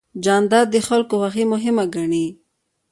جانداد د خلکو خوښي مهمه ګڼي.